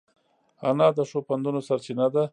انا د ښو پندونو سرچینه ده